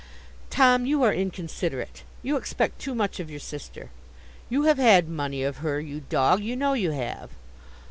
'Tom, you are inconsiderate: you expect too much of your sister. You have had money of her, you dog, you know you have.